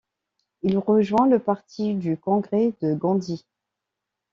Il rejoint le Parti du Congrès de Gandhi.